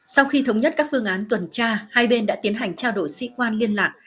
sau khi thống nhất các phương án tuần tra hai bên đã tiến hành trao đổi sĩ quan liên lạc